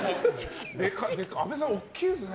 阿部さん、大きいですね。